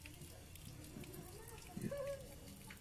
麦氏波鱼为鲤科波鱼属的鱼类。